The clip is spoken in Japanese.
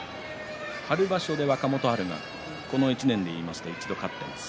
春場所で若元春がこの１年でいいますと一度、勝っています。